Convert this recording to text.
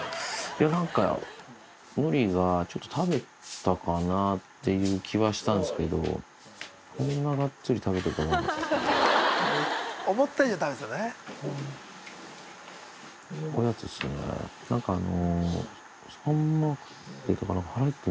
いや、なんか、のりがちょっと食べたかなっていう気はしたんすけど、こんながっつり食べてるとは思わなかった。